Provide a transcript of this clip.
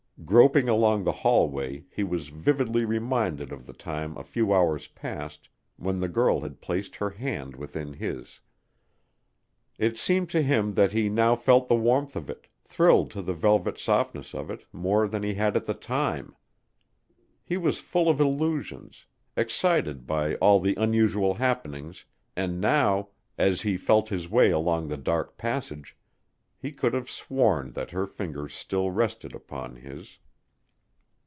Groping along the hallway he was vividly reminded of the time a few hours past when the girl had placed her hand within his. It seemed to him that he now felt the warmth of it thrilled to the velvet softness of it more than he had at the time. He was full of illusions, excited by all the unusual happenings, and now, as he felt his way along the dark passage, he could have sworn that her fingers still rested upon his.